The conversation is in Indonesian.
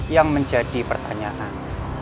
yang menjadi pertanyaan